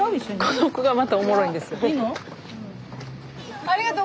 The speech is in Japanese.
この子がまたおもろいんですよ。